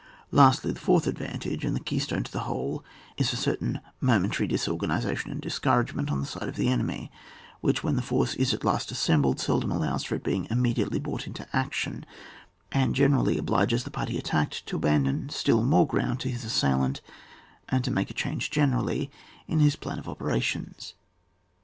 Lastly, the fourth advantage, and the keystone of the whole, is a certain momentary disorganisation and dis couragement on the side of the enemy, which, when the force is at last assem bled, seldom allows of its being imme diately brought into action, and generally obliges the party attacked to abandon still more ground to his assailant, and to make a change generally in his plan of operations.